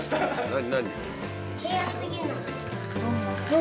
何？